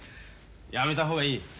やめた方がいい。